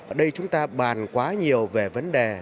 ở đây chúng ta bàn quá nhiều về vấn đề